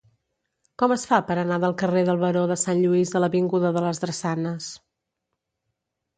Com es fa per anar del carrer del Baró de Sant Lluís a l'avinguda de les Drassanes?